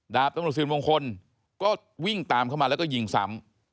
ดาบตำรวจสินมงคลก็วิ่งตามเข้ามาแล้วก็ยิงซ้ำ